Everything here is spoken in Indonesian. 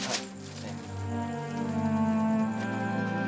baru kok mbak baru